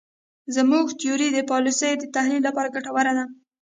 زموږ تیوري د پالیسیو د تحلیل لپاره ګټوره ده.